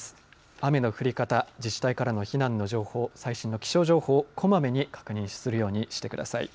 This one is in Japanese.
雨の降り方、自治体からの避難の情報、最新の気象情報を小まめに確認するようにしてください。